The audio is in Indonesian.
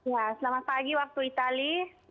ya selamat pagi waktu itali